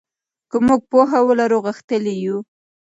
که موږ پوهه ولرو غښتلي یو.